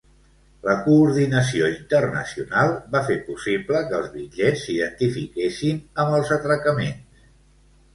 La coordinació internacional va fer possible que els bitllets s'identifiquessin amb els atracaments.